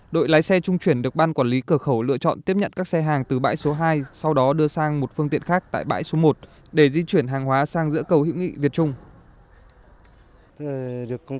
đội lái xe trung chuyển được ban quản lý cửa khẩu lựa chọn tiếp nhận các xe hàng từ bãi số hai sau đó đưa sang một phương tiện khác tại bãi số một để di chuyển hàng hóa sang giữa cầu hữu nghị việt trung